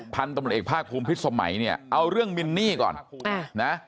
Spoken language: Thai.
พันธุ์ตำรวจเอกภาคภูมิพิษสมัยเนี่ยเอาเรื่องมินนี่ก่อนนะ